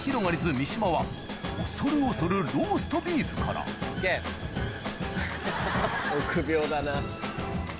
三島は恐る恐るローストビーフから臆病だな。